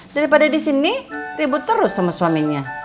daripada di sini ribut terus sama suaminya